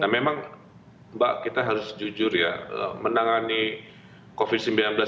nah memang mbak kita harus jujur ya menangani covid sembilan belas ini kan enggak patah